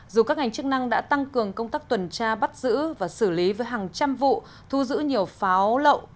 dù các ngành chức năng đã tăng cường công tác tuần tra bắt giữ và xử lý với hàng trăm vụ thu giữ nhiều pháo lậu